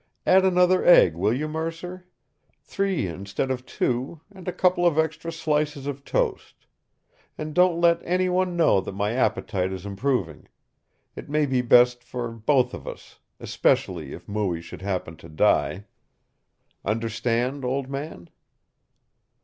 Add another egg, will you, Mercer? Three instead of two, and a couple of extra slices of toast. And don't let any one know that my appetite is improving. It may be best for both of us especially if Mooie should happen to die. Understand, old man?"